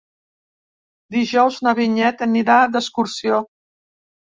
Dijous na Vinyet anirà d'excursió.